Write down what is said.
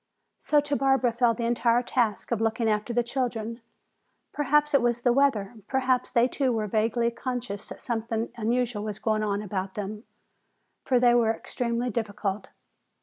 So to Barbara fell the entire task of looking after the children. Perhaps it was the weather, perhaps they too were vaguely conscious that something unusual was going on about them, for they were extremely difficult.